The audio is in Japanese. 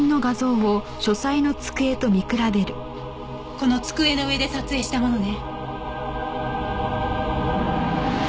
この机の上で撮影したものね。